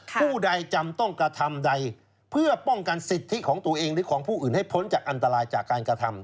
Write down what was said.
ผู้ใดจำต้องกระทำใดเพื่อป้องกันสิทธิของตัวเองหรือของผู้อื่นให้พ้นจากอันตรายจากการกระทำ